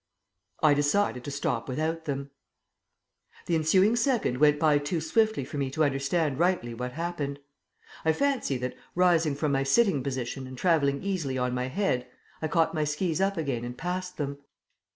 I decided to stop without them.... The ensuing second went by too swiftly for me to understand rightly what happened. I fancy that, rising from my sitting position and travelling easily on my head, I caught my skis up again and passed them....